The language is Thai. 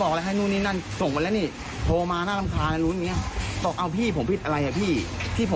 ผมจะได้ส่งของจะได้ไม่ผิดกับพี่